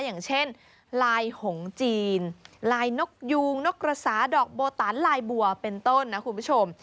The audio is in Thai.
อย่างเช่นลายหงจีนลายนกยูงนกกระสาดอกโบตันลายบัวเป็นต้นนะคุณผู้ชม